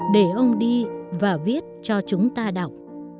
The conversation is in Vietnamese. để ông đi và viết cho chúng ta đọc